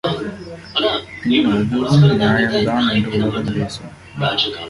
பின் அதுவும் நியாயம்தான் என்று உலகம் பேசும்.